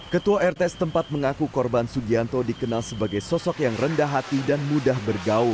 ketua rt setempat mengaku korban sugianto dikenal sebagai sosok yang rendah hati dan mudah bergaul